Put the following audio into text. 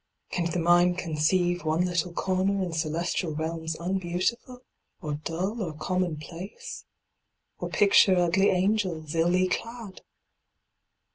Can the mind conceive One little corner in celestial realms Unbeautiful, or dull or commonplace? Or picture ugly angels, illy clad?